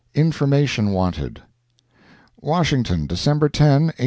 INFORMATION WANTED "WASHINGTON, December 10, 1867.